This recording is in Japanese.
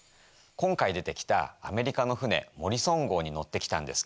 今回出てきたアメリカの船モリソン号に乗ってきたんですけど